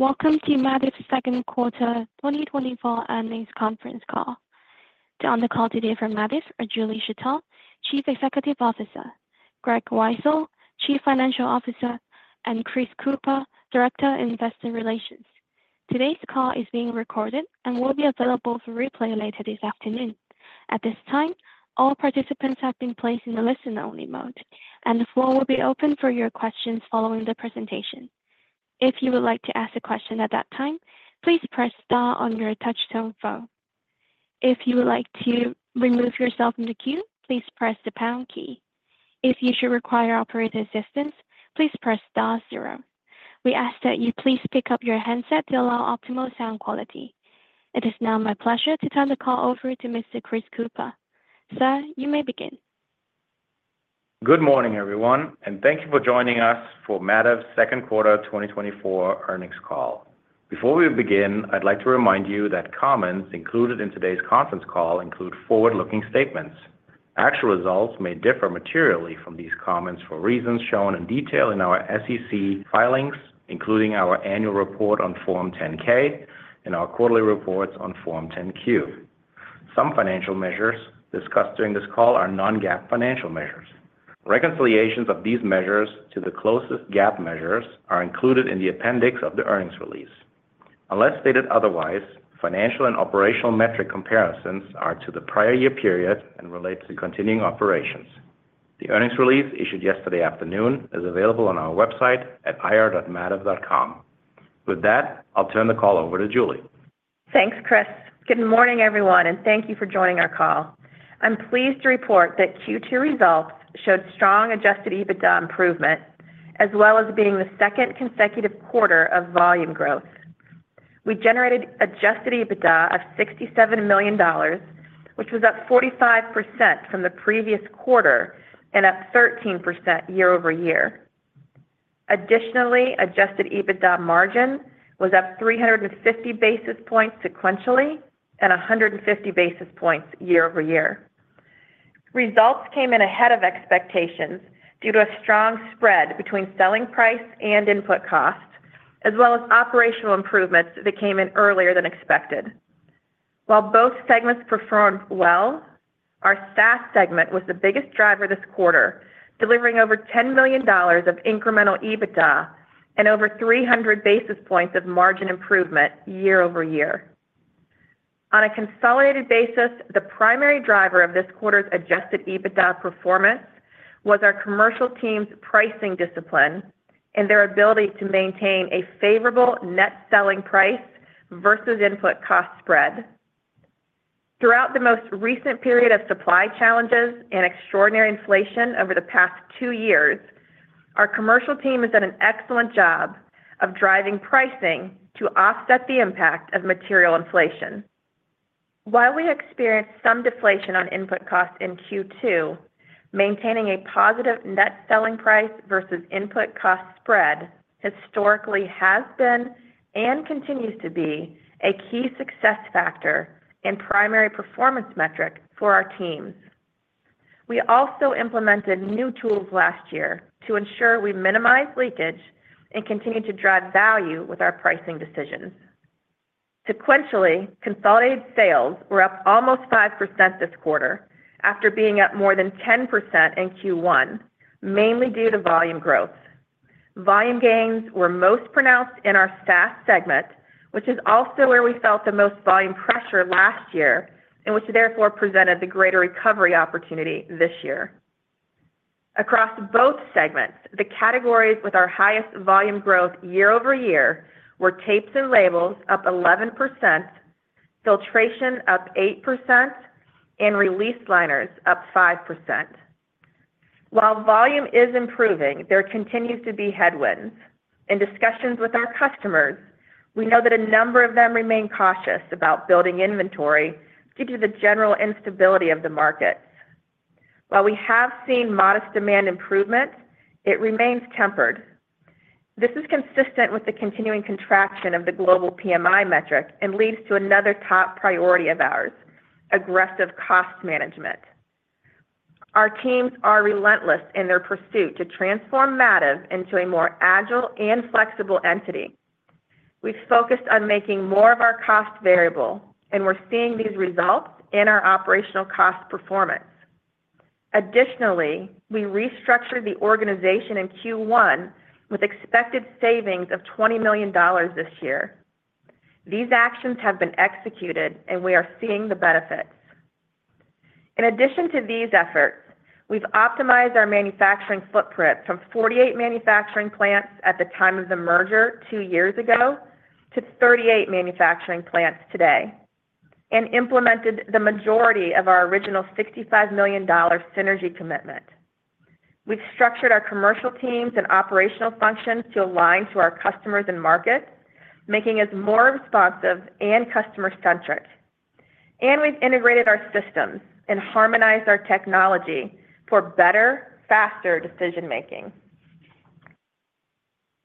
Welcome to Mativ's Q2 2024 Earnings Conference Call. On the call today from Mativ are Julie Schertell, Chief Executive Officer, Greg Weitzel, Chief Financial Officer, and Chris Kuepper, Director in Investor Relations. Today's call is being recorded and will be available for replay later this afternoon. At this time, all participants have been placed in a listen-only mode, and the floor will be open for your questions following the presentation. If you would like to ask a question at that time, please press star on your touchtone phone. If you would like to remove yourself from the queue, please press the pound key. If you should require operator assistance, please press star zero. We ask that you please pick up your handset to allow optimal sound quality. It is now my pleasure to turn the call over to Mr. Chris Kuepper. Sir, you may begin. Good morning, everyone, and thank you for joining us for Mativ's Q2 2024 Earnings Call. Before we begin, I'd like to remind you that comments included in today's conference call include forward-looking statements. Actual results may differ materially from these comments for reasons shown in detail in our SEC filings, including our annual report on Form 10-K and our quarterly reports on Form 10-Q. Some financial measures discussed during this call are non-GAAP financial measures. Reconciliations of these measures to the closest GAAP measures are included in the appendix of the earnings release. Unless stated otherwise, financial and operational metric comparisons are to the prior year period and relate to continuing operations. The earnings release issued yesterday afternoon is available on our website at ir.mativ.com. With that, I'll turn the call over to Julie. Thanks, Chris. Good morning, everyone, and thank you for joining our call. I'm pleased to report that Q2 results showed strong adjusted EBITDA improvement, as well as being the second consecutive quarter of volume growth. We generated adjusted EBITDA of $67 million, which was up 45% from the previous quarter and up 13% year-over-year. Additionally, adjusted EBITDA margin was up 350 basis points sequentially and 150 basis points year-over-year. Results came in ahead of expectations due to a strong spread between selling price and input costs, as well as operational improvements that came in earlier than expected. While both segments performed well, our SAS segment was the biggest driver this quarter, delivering over $10 million of incremental EBITDA and over 300 basis points of margin improvement year-over-year. On a consolidated basis, the primary driver of this quarter's adjusted EBITDA performance was our commercial team's pricing discipline and their ability to maintain a favorable net selling price versus input cost spread. Throughout the most recent period of supply challenges and extraordinary inflation over the past two years, our commercial team has done an excellent job of driving pricing to offset the impact of material inflation. While we experienced some deflation on input costs in Q2, maintaining a positive net selling price versus input cost spread historically has been and continues to be a key success factor and primary performance metric for our teams. We also implemented new tools last year to ensure we minimize leakage and continue to drive value with our pricing decisions. Sequentially, consolidated sales were up almost 5% this quarter, after being up more than 10% in Q1, mainly due to volume growth. Volume gains were most pronounced in our SAS segment, which is also where we felt the most volume pressure last year and which therefore presented the greater recovery opportunity this year. Across both segments, the categories with our highest volume growth year-over-year were tapes and labels up 11%, filtration up 8%, and release liners up 5%. While volume is improving, there continues to be headwinds. In discussions with our customers, we know that a number of them remain cautious about building inventory due to the general instability of the markets. While we have seen modest demand improvement, it remains tempered. This is consistent with the continuing contraction of the global PMI metric and leads to another top priority of ours: aggressive cost management. Our teams are relentless in their pursuit to transform Mativ into a more agile and flexible entity. We've focused on making more of our cost variable, and we're seeing these results in our operational cost performance. Additionally, we restructured the organization in Q1 with expected savings of $20 million this year. These actions have been executed, and we are seeing the benefits. In addition to these efforts, we've optimized our manufacturing footprint from 48 manufacturing plants at the time of the merger two years ago, to 38 manufacturing plants today, and implemented the majority of our original $65 million synergy commitment. We've structured our commercial teams and operational functions to align to our customers and markets, making us more responsive and customer-centric. We've integrated our systems and harmonized our technology for better, faster decision-making.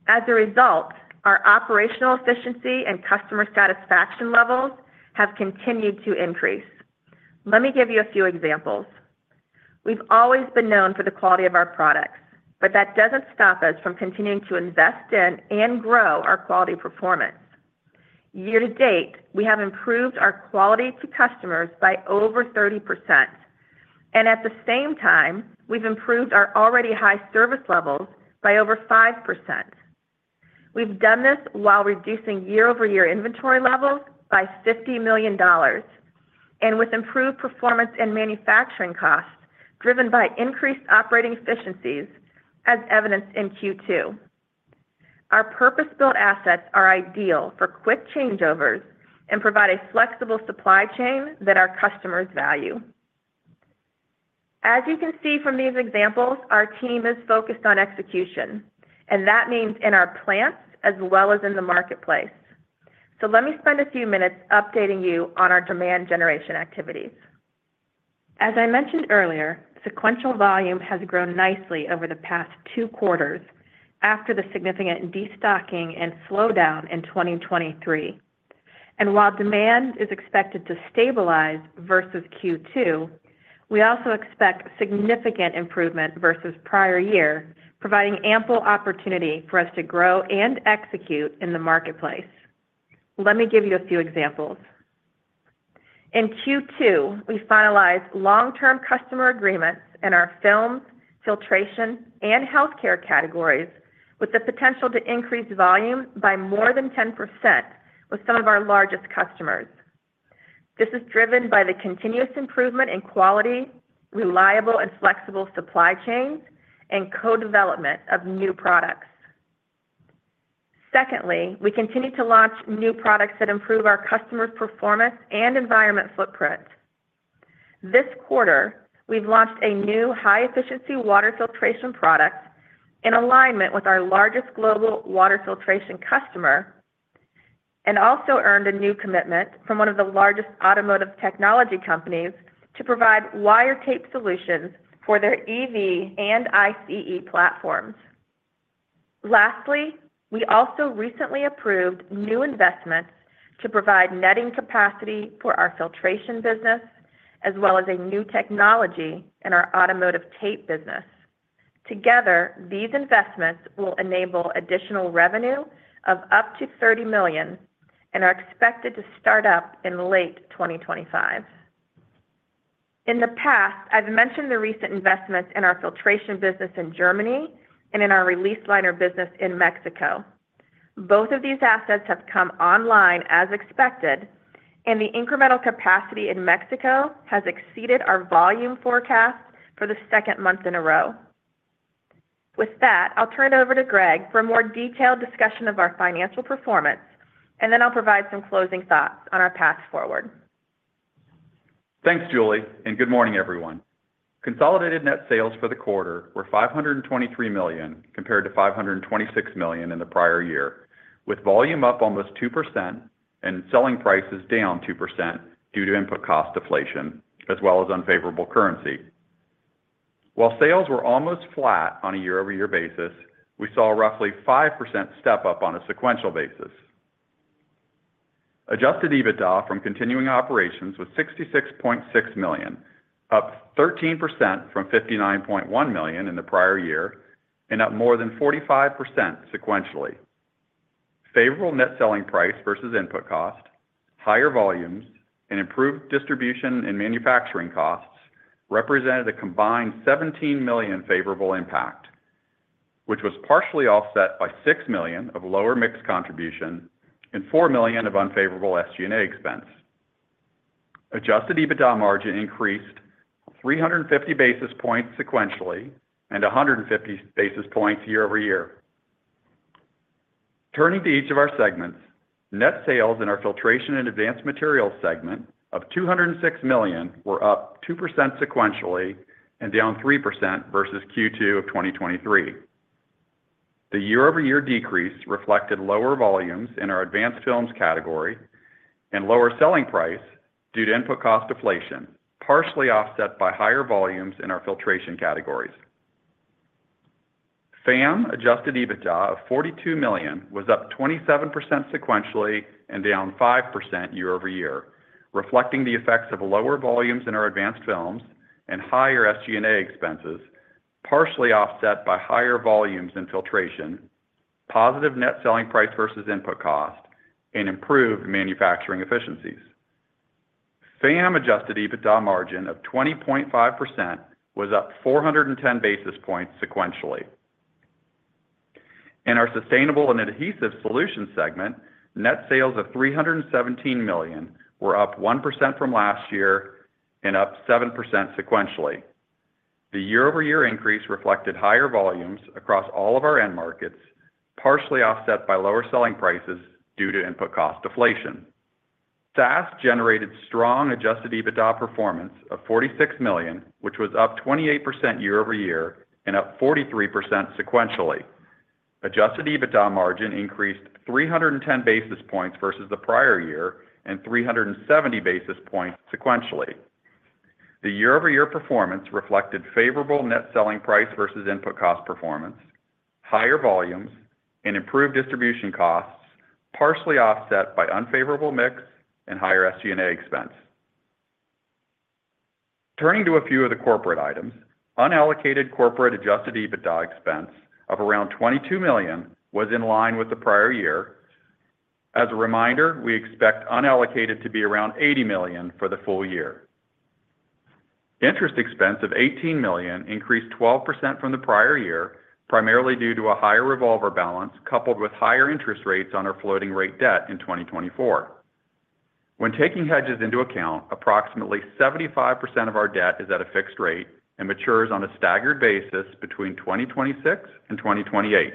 As a result, our operational efficiency and customer satisfaction levels have continued to increase. Let me give you a few examples... We've always been known for the quality of our products, but that doesn't stop us from continuing to invest in and grow our quality performance. Year to date, we have improved our quality to customers by over 30%, and at the same time, we've improved our already high service levels by over 5%. We've done this while reducing year-over-year inventory levels by $50 million, and with improved performance in manufacturing costs, driven by increased operating efficiencies as evidenced in Q2. Our purpose-built assets are ideal for quick changeovers and provide a flexible supply chain that our customers value. As you can see from these examples, our team is focused on execution, and that means in our plants as well as in the marketplace. So let me spend a few minutes updating you on our demand generation activities. As I mentioned earlier, sequential volume has grown nicely over the past two quarters after the significant destocking and slowdown in 2023. While demand is expected to stabilize versus Q2, we also expect significant improvement versus prior year, providing ample opportunity for us to grow and execute in the marketplace. Let me give you a few examples. In Q2, we finalized long-term customer agreements in our films, filtration, and healthcare categories, with the potential to increase volume by more than 10% with some of our largest customers. This is driven by the continuous improvement in quality, reliable and flexible supply chains, and co-development of new products. Secondly, we continue to launch new products that improve our customers' performance and environmental footprint. This quarter, we've launched a new high-efficiency water filtration product in alignment with our largest global water filtration customer, and also earned a new commitment from one of the largest automotive technology companies to provide wire tape solutions for their EV and ICE platforms. Lastly, we also recently approved new investments to provide netting capacity for our filtration business, as well as a new technology in our automotive tape business. Together, these investments will enable additional revenue of up to $30 million and are expected to start up in late 2025. In the past, I've mentioned the recent investments in our filtration business in Germany and in our release liner business in Mexico. Both of these assets have come online as expected, and the incremental capacity in Mexico has exceeded our volume forecast for the second month in a row. With that, I'll turn it over to Greg for a more detailed discussion of our financial performance, and then I'll provide some closing thoughts on our path forward. Thanks, Julie, and good morning, everyone. Consolidated net sales for the quarter were $523 million, compared to $526 million in the prior year, with volume up almost 2% and selling prices down 2% due to input cost deflation as well as unfavorable currency. While sales were almost flat on a year-over-year basis, we saw a roughly 5% step-up on a sequential basis. Adjusted EBITDA from continuing operations was $66.6 million, up 13% from $59.1 million in the prior year and up more than 45% sequentially. Favorable net selling price versus input cost, higher volumes, and improved distribution and manufacturing costs represented a combined $17 million favorable impact, which was partially offset by $6 million of lower mix contribution and $4 million of unfavorable SG&A expense. Adjusted EBITDA margin increased 350 basis points sequentially and 150 basis points year-over-year. Turning to each of our segments, net sales in our Filtration and Advanced Materials segment of $206 million were up 2% sequentially and down 3% versus Q2 of 2023. The year-over-year decrease reflected lower volumes in our advanced films category and lower selling price due to input cost deflation, partially offset by higher volumes in our filtration categories. FAM adjusted EBITDA of $42 million was up 27% sequentially and down 5% year-over-year, reflecting the effects of lower volumes in our advanced films and higher SG&A expenses, partially offset by higher volumes in filtration, positive net selling price versus input cost, and improved manufacturing efficiencies. FAM adjusted EBITDA margin of 20.5% was up 410 basis points sequentially. In our Sustainable and Adhesive Solutions segment, net sales of $317 million were up 1% from last year and up 7% sequentially. The year-over-year increase reflected higher volumes across all of our end markets, partially offset by lower selling prices due to input cost deflation. SAS generated strong adjusted EBITDA performance of $46 million, which was up 28% year-over-year and up 43% sequentially. Adjusted EBITDA margin increased 310 basis points versus the prior year and 370 basis points sequentially. The year-over-year performance reflected favorable net selling price versus input cost performance, higher volumes, and improved distribution costs, partially offset by unfavorable mix and higher SG&A expense. Turning to a few of the corporate items, unallocated corporate adjusted EBITDA expense of around $22 million was in line with the prior year. As a reminder, we expect unallocated to be around $80 million for the full year. Interest expense of $18 million increased 12% from the prior year, primarily due to a higher revolver balance, coupled with higher interest rates on our floating rate debt in 2024. When taking hedges into account, approximately 75% of our debt is at a fixed rate and matures on a staggered basis between 2026 and 2028.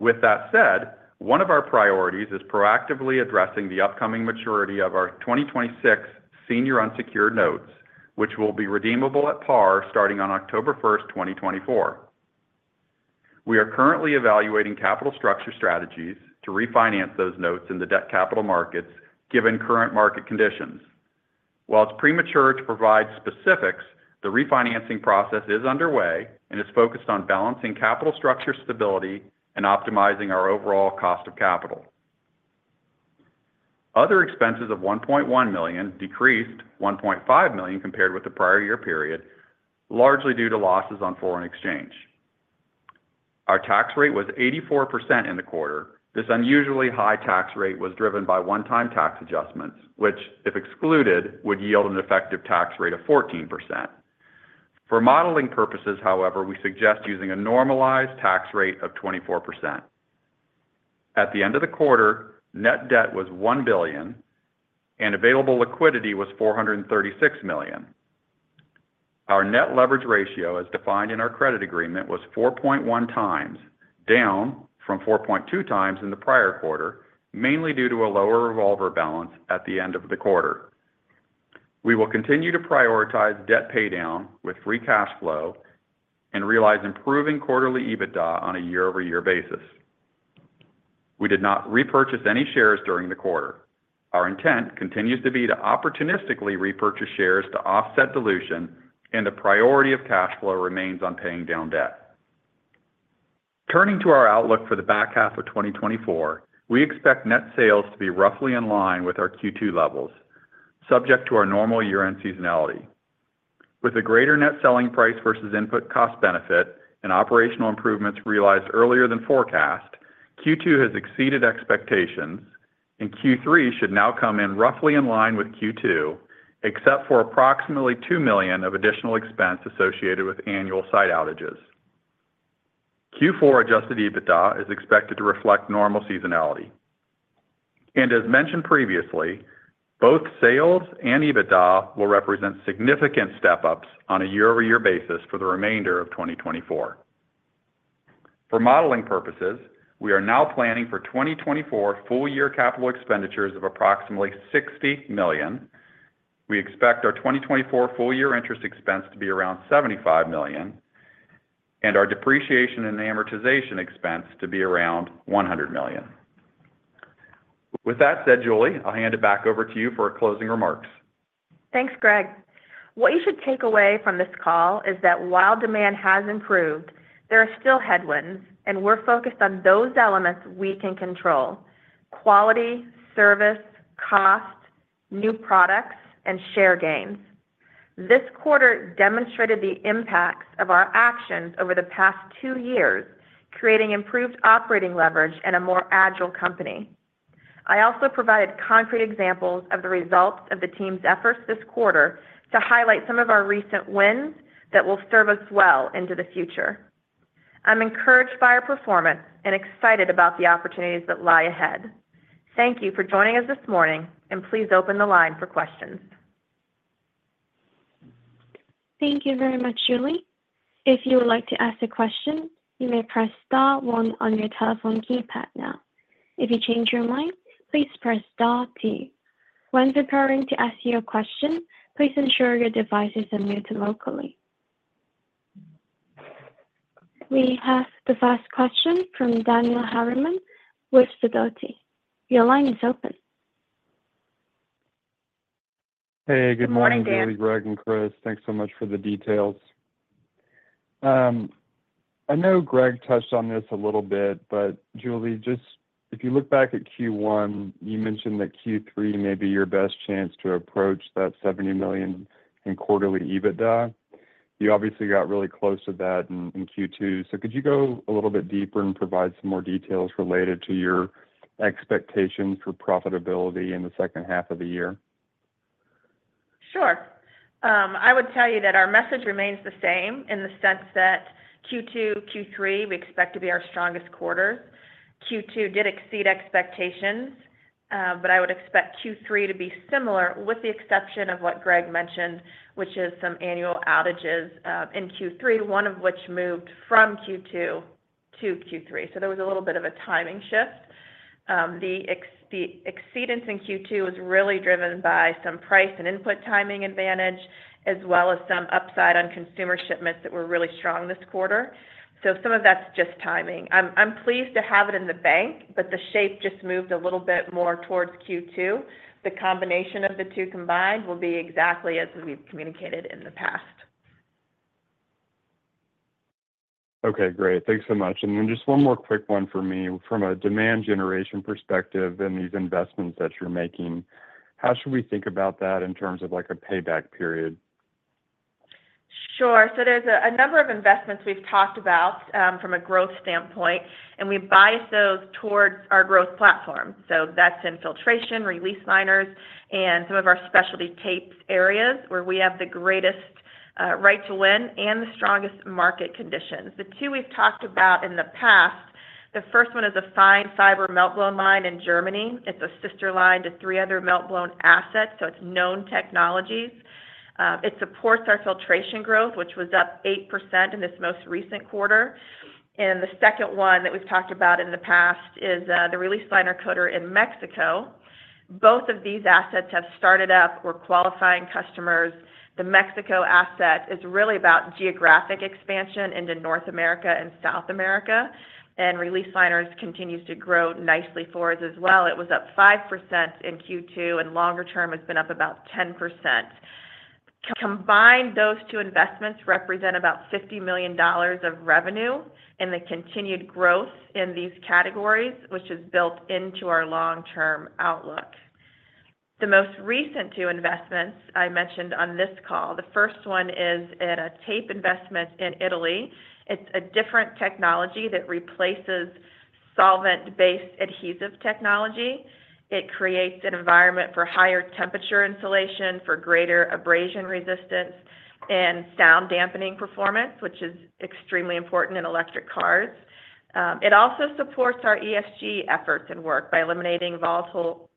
With that said, one of our priorities is proactively addressing the upcoming maturity of our 2026 senior unsecured notes, which will be redeemable at par starting on 1 October 2024. We are currently evaluating capital structure strategies to refinance those notes in the debt capital markets, given current market conditions. While it's premature to provide specifics, the refinancing process is underway and is focused on balancing capital structure stability and optimizing our overall cost of capital. Other expenses of $1.1 million decreased $1.5 million compared with the prior year period, largely due to losses on foreign exchange. Our tax rate was 84% in the quarter. This unusually high tax rate was driven by one-time tax adjustments, which, if excluded, would yield an effective tax rate of 14%. For modeling purposes, however, we suggest using a normalized tax rate of 24%. At the end of the quarter, net debt was $1 billion, and available liquidity was $436 million. Our net leverage ratio, as defined in our credit agreement, was 4.1 times, down from 4.2 times in the prior quarter, mainly due to a lower revolver balance at the end of the quarter. We will continue to prioritize debt paydown with free cash flow and realize improving quarterly EBITDA on a year-over-year basis. We did not repurchase any shares during the quarter. Our intent continues to be to opportunistically repurchase shares to offset dilution, and the priority of cash flow remains on paying down debt. Turning to our outlook for the back half of 2024, we expect net sales to be roughly in line with our Q2 levels, subject to our normal year-end seasonality. With a greater net selling price versus input cost benefit and operational improvements realized earlier than forecast, Q2 has exceeded expectations, and Q3 should now come in roughly in line with Q2, except for approximately $2 million of additional expense associated with annual site outages. Q4 adjusted EBITDA is expected to reflect normal seasonality. As mentioned previously, both sales and EBITDA will represent significant step-ups on a year-over-year basis for the remainder of 2024. For modeling purposes, we are now planning for 2024 full year capital expenditures of approximately $60 million. We expect our 2024 full year interest expense to be around $75 million, and our depreciation and amortization expense to be around $100 million. With that said, Julie, I'll hand it back over to you for closing remarks. Thanks, Greg. What you should take away from this call is that while demand has improved, there are still headwinds, and we're focused on those elements we can control: quality, service, cost, new products, and share gains. This quarter demonstrated the impacts of our actions over the past two years, creating improved operating leverage and a more agile company. I also provided concrete examples of the results of the team's efforts this quarter to highlight some of our recent wins that will serve us well into the future. I'm encouraged by our performance and excited about the opportunities that lie ahead. Thank you for joining us this morning, and please open the line for questions. Thank you very much, Julie. If you would like to ask a question, you may press star one on your telephone keypad now. If you change your mind, please press star two. When preparing to ask your question, please ensure your device is unmuted locally. We have the first question from Daniel Harriman with Sidoti. Your line is open. Hey, good morning, Julie, Greg, and Chris. Thanks so much for the details. I know Greg touched on this a little bit, but Julie, just if you look back at Q1, you mentioned that Q3 may be your best chance to approach that $70 million in quarterly EBITDA. You obviously got really close to that in Q2. Could you go a little bit deeper and provide some more details related to your expectations for profitability in the second half of the year? Sure. I would tell you that our message remains the same in the sense that Q2, Q3, we expect to be our strongest quarters. Q2 did exceed expectations, but I would expect Q3 to be similar, with the exception of what Greg mentioned, which is some annual outages, in Q3, one of which moved from Q2 to Q3. There was a little bit of a timing shift. The exceedance in Q2 was really driven by some price and input timing advantage, as well as some upside on consumer shipments that were really strong this quarter. Some of that's just timing. I'm pleased to have it in the bank, but the shape just moved a little bit more towards Q2. The combination of the two combined will be exactly as we've communicated in the past. Okay, great. Thanks so much. Just one more quick one for me. From a demand generation perspective and these investments that you're making, how should we think about that in terms of, like, a payback period? Sure. There's a number of investments we've talked about from a growth standpoint, and we bias those towards our growth platform. That's in filtration, release liners, and some of our specialty tapes areas where we have the greatest right to win and the strongest market conditions. The two we've talked about in the past, the first one is a fine fiber meltblown line in Germany. It's a sister line to three other meltblown assets, so it's known technologies. It supports our filtration growth, which was up 8% in this most recent quarter. And the second one that we've talked about in the past is the release liner coater in Mexico. Both of these assets have started up. We're qualifying customers. The Mexico asset is really about geographic expansion into North America and South America, and release liners continues to grow nicely for us as well. It was up 5% in Q2, and longer term, it's been up about 10%. Combined, those two investments represent about $50 million of revenue, and the continued growth in these categories, which is built into our long-term outlook. The most recent two investments I mentioned on this call, the first one is in a tape investment in Italy. It's a different technology that replaces solvent-based adhesive technology. It creates an environment for higher temperature insulation, for greater abrasion resistance, and sound dampening performance, which is extremely important in electric cars. It also supports our ESG efforts and work by eliminating volatile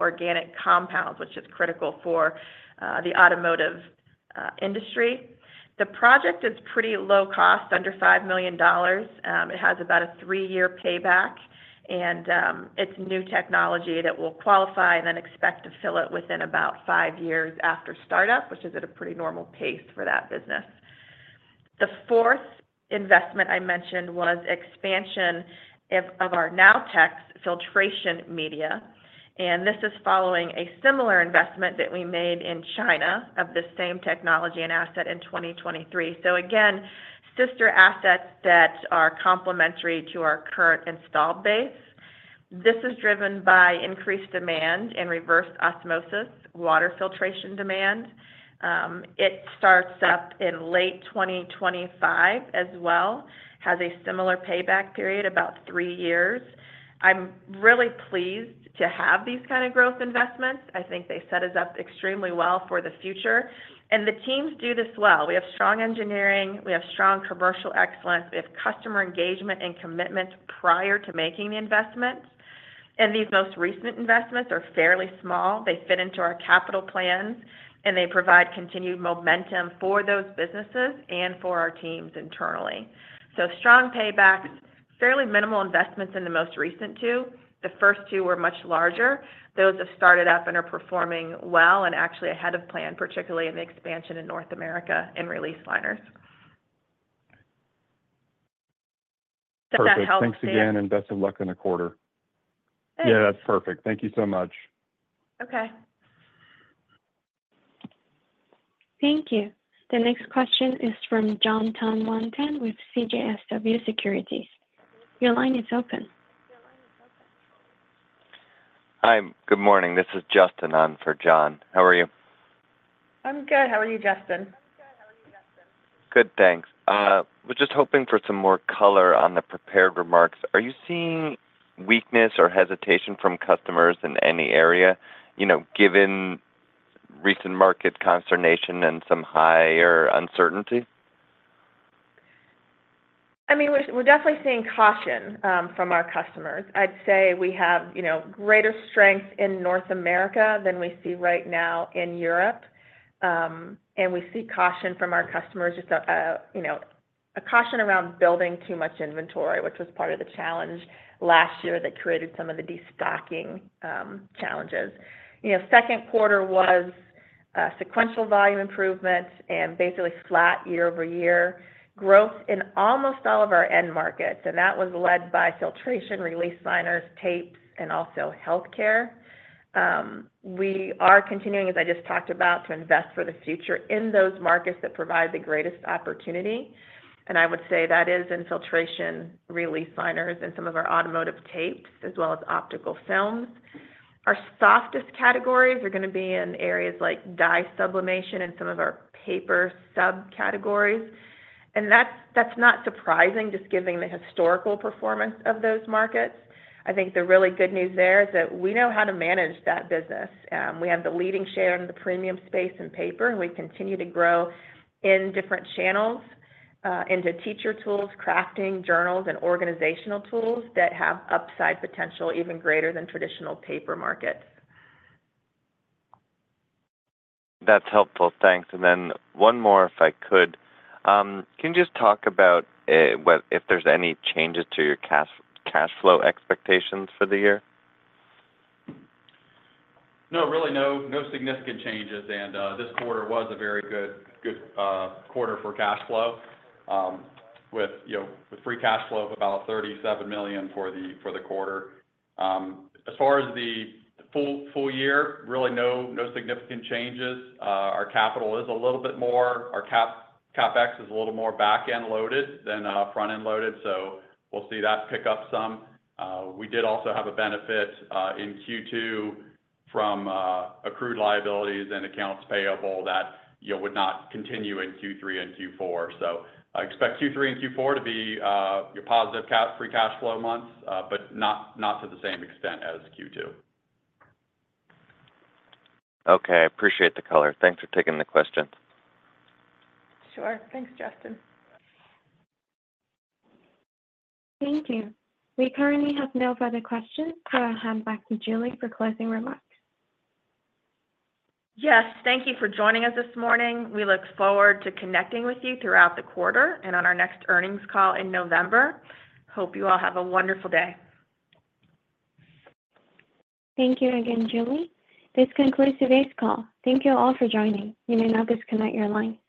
organic compounds, which is critical for the automotive industry. The project is pretty low cost, under $5 million. It has about a three-year payback, and it's new technology that we'll qualify and then expect to fill it within about five years after startup, which is at a pretty normal pace for that business. The fourth investment I mentioned was expansion of our nonwovens filtration media, and this is following a similar investment that we made in China of the same technology and asset in 2023. Again, sister assets that are complementary to our current installed base. This is driven by increased demand in reverse osmosis water filtration. It starts up in late 2025 as well, has a similar payback period, about three years. I'm really pleased to have these kind of growth investments. I think they set us up extremely well for the future, and the teams do this well. We have strong engineering, we have strong commercial excellence, we have customer engagement and commitment prior to making the investments. These most recent investments are fairly small. They fit into our capital plans, and they provide continued momentum for those businesses and for our teams internally. Strong paybacks, fairly minimal investments in the most recent two. The first two were much larger. Those have started up and are performing well and actually ahead of plan, particularly in the expansion in North America in release liners. Does that help? Thanks again, and best of luck in the quarter. Thanks. That's perfect. Thank you so much. Okay. Thank you. The next question is from Jon Tanwanteng with CJS Securities. Your line is open. Hi, good morning. This is Justin on for John. How are you? I'm good. How are you, Justin? Good, thanks. Was just hoping for some more color on the prepared remarks. Are you seeing weakness or hesitation from customers in any area, you know, given recent market consternation and some higher uncertainty? We're definitely seeing caution from our customers. I'd say we have, you know, greater strength in North America than we see right now in Europe. We see caution from our customers, just a, you know, a caution around building too much inventory, which was part of the challenge last year that created some of the destocking challenges. You know, Q2 was sequential volume improvements and basically flat year-over-year growth in almost all of our end markets, and that was led by filtration, release liners, tapes, and also healthcare. We are continuing, as I just talked about, to invest for the future in those markets that provide the greatest opportunity, and I would say that is in filtration, release liners, and some of our automotive tapes, as well as optical films. Our softest categories are gonna be in areas like dye sublimation and some of our paper subcategories, and that's not surprising, just giving the historical performance of those markets. I think the really good news there is that we know how to manage that business. We have the leading share in the premium space in paper, and we continue to grow in different channels into teacher tools, crafting, journals, and organizational tools that have upside potential even greater than traditional paper markets. That's helpful. Thanks. One more, if I could. Can you just talk about if there's any changes to your cash, cash flow expectations for the year? No, really, no significant changes, and this quarter was a very good, good quarter for cash flow, with, you know, with free cash flow of about $37 million for the quarter. As far as the full year, really no significant changes. Our capital is a little bit more. Our CapEx is a little more back-end loaded than front-end loaded, so we'll see that pick up some. We did also have a benefit in Q2 from accrued liabilities and accounts payable that, you know, would not continue in Q3 and Q4. I expect Q3 and Q4 to be your positive free cash flow months, but not to the same extent as Q2. Okay. I appreciate the color. Thanks for taking the question. Sure. Thanks, Justin. Thank you. We currently have no further questions, I'll hand back to Julie for closing remarks. Yes, thank you for joining us this morning. We look forward to connecting with you throughout the quarter and on our next earnings call in November. Hope you all have a wonderful day. Thank you again, Julie. This concludes today's call. Thank you all for joining. You may now disconnect your line.